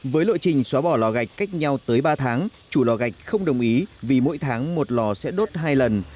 với lộ trình xóa bỏ lò gạch cách nhau tới ba tháng chủ lò gạch không đồng ý vì mỗi tháng một lò sẽ đốt hai lần